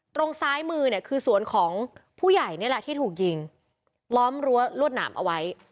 ตรงซ้ายมือเนี่ยคือสวนของผู้ใหญ่นี่แหละที่ถูกยิงล้อมรั้วรวดหนามเอาไว้